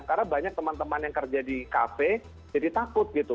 karena banyak teman teman yang kerja di kafe jadi takut gitu